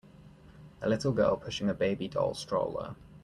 A little girl pushing a baby doll stroller